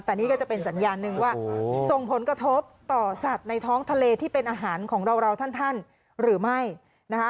แต่นี่ก็จะเป็นสัญญาณหนึ่งว่าส่งผลกระทบต่อสัตว์ในท้องทะเลที่เป็นอาหารของเราท่านหรือไม่นะคะ